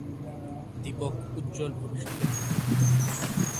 দীপক উজ্জ্বল ভবিষ্যতের প্রতীক।